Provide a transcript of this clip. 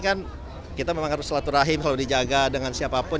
kan kita memang harus selaturahim kalau dijaga dengan siapapun